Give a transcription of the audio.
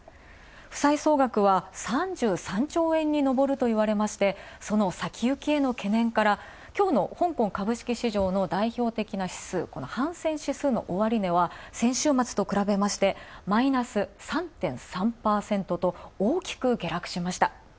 負債総額は３３兆円に上るといわれていて、その先行きへの懸念から、今日の香港株式市場の代表的な指数、ハンセン指数の終値は先週末と比べまして、マイナス３．３％と、大きく下落しました。